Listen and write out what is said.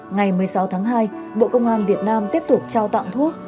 ngày một mươi sáu tháng hai bộ công an việt nam tiếp tục trao tặng thuốc